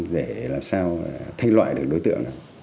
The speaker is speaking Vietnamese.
để làm sao thay loại được đối tượng